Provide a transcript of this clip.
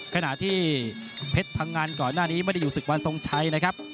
ขณะที่เพชรพังงันก่อนหน้านี้ไม่ได้อยู่ศึกวันทรงชัยนะครับ